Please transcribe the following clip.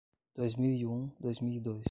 Dois mil e um, dois mil e dois